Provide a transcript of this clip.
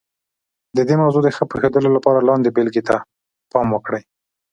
د دې موضوع د ښه پوهېدلو لپاره لاندې بېلګې ته پام وکړئ.